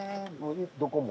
どこも。